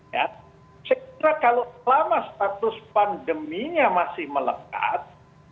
saya kira kalau selama status pandeminya masih melekat